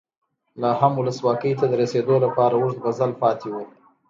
لا هم ولسواکۍ ته د رسېدو لپاره اوږد مزل پاتې و.